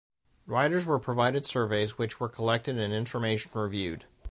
Riders were provided surveys which were collected and information reviewed.